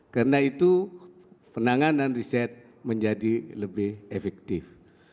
karena itu penanganan riset menjadi lebih efektif